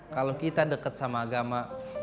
kalau kita dekat sama agama